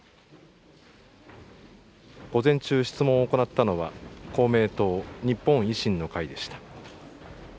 午前中、質問を行ったのは、公明党、日本維新の会でした。